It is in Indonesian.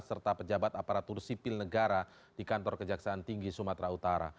serta pejabat aparatur sipil negara di kantor kejaksaan tinggi sumatera utara